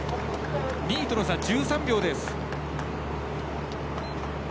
２位との差、１３秒です。